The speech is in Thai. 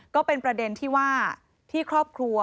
ก็เป็นประเด็นที่ว่าที่ครอบครัว